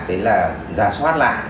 đấy là giả soát lại